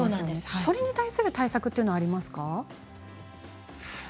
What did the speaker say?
それに対する対策はありますか？